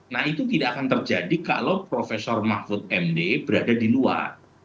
nah itu tidak akan terjadi kalau prof mahfud md berada di luar